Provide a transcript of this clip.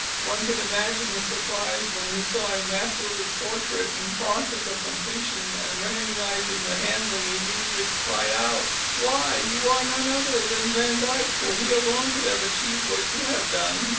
One can imagine his surprise when he saw a masterly portrait in process of completion, and, recognising the handling, immediately cried out: "Why, you are none other than Van Dyck, for he alone could have achieved what you have done."